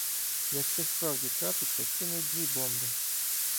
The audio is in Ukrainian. Як щось справді трапиться — кинуть дві бомби.